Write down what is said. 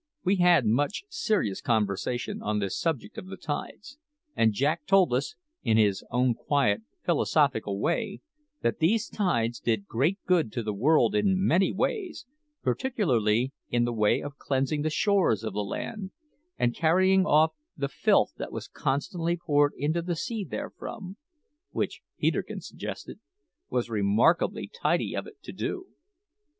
We had much serious conversation on this subject of the tides; and Jack told us, in his own quiet, philosophical way, that these tides did great good to the world in many ways, particularly in the way of cleansing the shores of the land, and carrying off the filth that was constantly poured into the sea therefrom which, Peterkin suggested, was remarkably tidy of it to do.